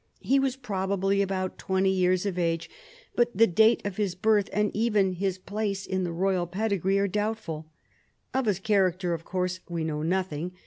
He was probably about twenty years of age, but the date of his birth, and even bis place in the royal ]iedigree are doubtful. Of bis character, of course, we know nothing.